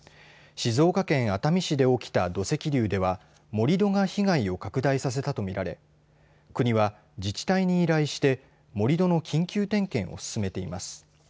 静岡県熱海市で起きた土石流では盛り土が被害を拡大させたと見られ国は自治体に依頼して盛り土の緊急点検を進めています。